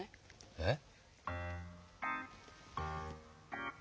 えっ？